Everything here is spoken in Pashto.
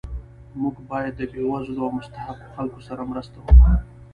موږ باید د بې وزلو او مستحقو خلکو سره مرسته وکړو